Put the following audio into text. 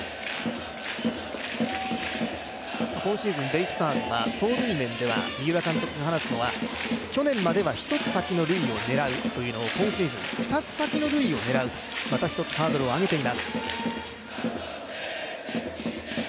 今シーズンベイスターズは走塁面では三浦監督が話すのは去年までは、１つ先の塁を狙うというのを今シーズン２つ先の塁を狙うと、また１つハードルを上げています。